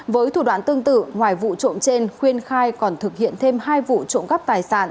với thủ đoạn tương tự ngoài vụ trộm trên khuyên khai còn thực hiện thêm hai vụ trộm cắp tài sản